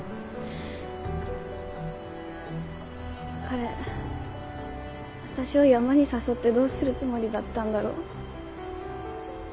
彼私を山に誘ってどうするつもりだったんだろう。